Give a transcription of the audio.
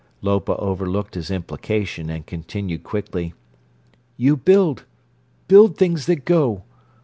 Lopa overlooked his implication, and continued, quickly: "You build. Build things that go.